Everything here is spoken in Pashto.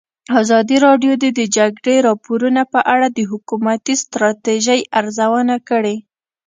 ازادي راډیو د د جګړې راپورونه په اړه د حکومتي ستراتیژۍ ارزونه کړې.